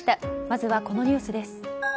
まずは、このニュースです。